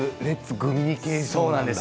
グミニケーションなんだね。